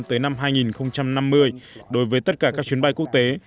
tới năm hai nghìn năm mươi đối với tất cả các chuyến bay quốc tế